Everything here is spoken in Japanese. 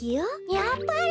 やっぱり！